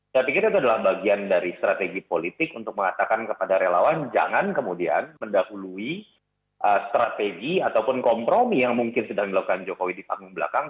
saya pikir itu adalah bagian dari strategi politik untuk mengatakan kepada relawan jangan kemudian mendahului strategi ataupun kompromi yang mungkin sedang dilakukan jokowi di panggung belakang